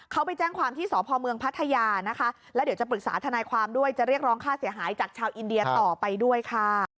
ทำไมชาวต่างชาติทำไมเขาเป็นครอบครอบ